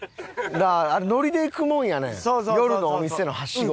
だからノリで行くもんやねん夜のお店のはしご。